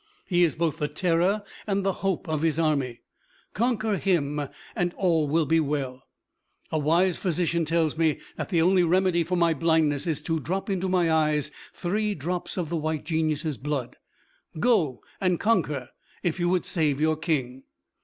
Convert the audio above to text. He is both the terror and the hope of his army. Conquer him, and all will be well. A wise physician tells me that the only remedy for my blindness is to drop into my eyes three drops of the White Genius's blood. Go and conquer, if you would save your King."